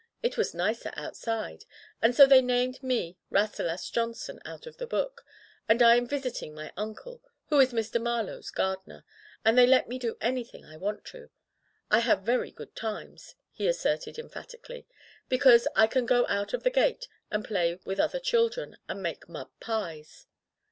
It was nicer outside. And so they named me Rasselas Johnson out of the book, and I am visiting my uncle, who is Mr. Marlowe's gardener, and they let me do anything I want to. I have very good times," he asserted emphatically, "be cause I can go out of the gate and play with other children and make mud pies.'